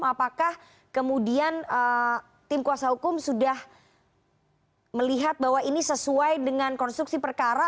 apakah kemudian tim kuasa hukum sudah melihat bahwa ini sesuai dengan konstruksi perkara